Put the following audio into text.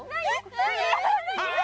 何？